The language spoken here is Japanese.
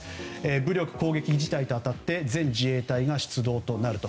武力攻撃事態に当たって全自衛隊が出動となると。